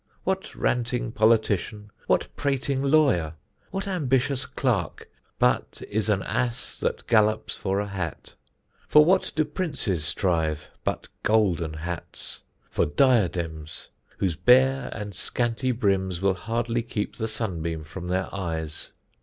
What ranting politician, What prating lawyer, what ambitious clerk, But is an ass that gallops for a hat? For what do Princes strive, but golden hats? For diadems, whose bare and scanty brims Will hardly keep the sunbeam from their eyes.